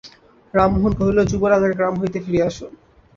রামমোহন কহিল, যুবরাজ আগে গ্রাম হইতে ফিরিয়া আসুন।